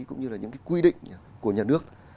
cũng như là những cái quy định của nhà nước